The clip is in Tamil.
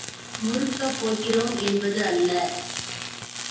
முறுக்கப் போகிறோம் என்பது அல்ல.